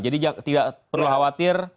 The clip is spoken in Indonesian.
jadi tidak perlu khawatir